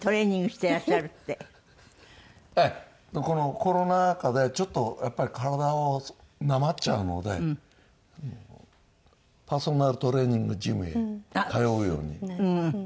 このコロナ禍でちょっとやっぱり体をなまっちゃうのでパーソナルトレーニングジムへ通うように。